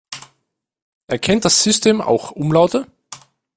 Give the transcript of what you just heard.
Erkennt das System auch Umlaute?